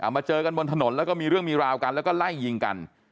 มาเจอกันบนถนนแล้วก็มีเรื่องมีราวกันแล้วก็ไล่ยิงกัน